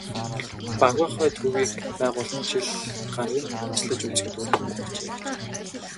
"Багваахай" төвийг байгуулан жил гаруй ажиллаж үзэхэд үр дүнгээ өгчээ.